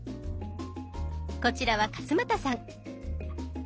こちらは勝俣さん。